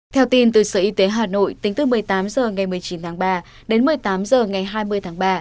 theo tin từ sở y tế hà nội tính từ một mươi tám h ngày một mươi chín tháng ba đến một mươi tám h ngày hai mươi tháng ba